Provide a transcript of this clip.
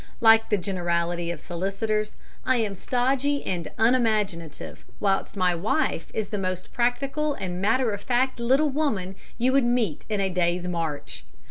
Like the generality of solicitors, I am stodgy and unimaginative, whilst my wife is the most practical and matter of fact little woman you would meet in a day's march.